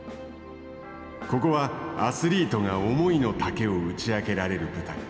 ここは、アスリートが思いのたけを打ち明けられる舞台。